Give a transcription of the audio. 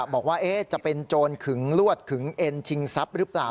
บอกว่าจะเป็นโจรขึงลวดขึงเอ็นชิงทรัพย์หรือเปล่า